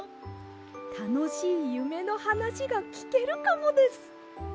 たのしいゆめのはなしがきけるかもです。